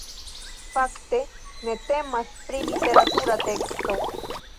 Fakte ne temas pri literatura teksto.